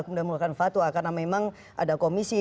kemudian mengeluarkan fatwa karena memang ada komisi